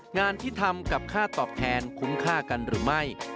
งานที่ทำกับค่าตอบแทนคุ้มค่ากันหรือไม่